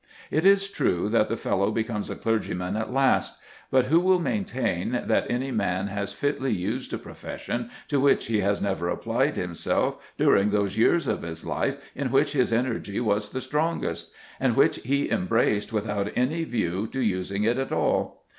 It is true that the fellow becomes a clergyman at last; but who will maintain that any man has fitly used a profession to which he has never applied himself during those years of his life in which his energy was the strongest, and which he embraced without any view to using it at all?